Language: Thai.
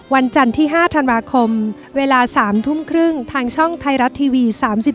วันจันทร์ที่๕ธันวาคมเวลา๓ทุ่มครึ่งทางช่องไทยรัฐทีวี๓๒